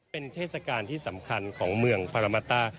เป็นเทศกาลที่สำคัญของเมืองพารามาต้า